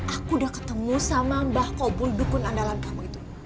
aku udah ketemu sama mbah kobul dukun andalan kamu itu